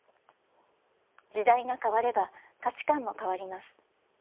時代が変われば価値観も変わります。